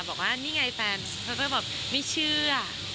บอกว่านี่ไงแฟนเขาก็แบบไม่เชื่อ